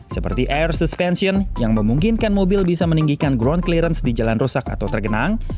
seperti air suspension yang memungkinkan mobil bisa meninggikan ground clearance di jalan rusak atau tergenang